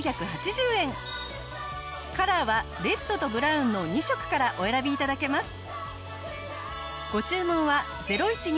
カラーはレッドとブラウンの２色からお選び頂けます。